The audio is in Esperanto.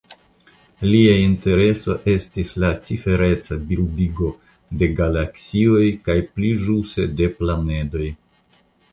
Lia intereso estis la cifereca bildigo de galaksioj kaj pli ĵuse de planedoj.